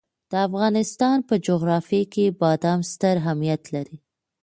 د افغانستان په جغرافیه کې بادام ستر اهمیت لري.